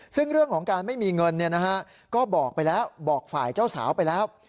ซึ่งเรื่องของการไม่มีเงินก็บอกไปแล้วบอกฝ่ายเจ้าสาวไปแล้ว